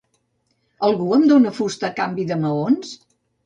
Algú em dona fusta a canvi de maons?